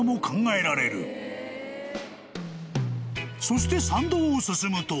［そして参道を進むと］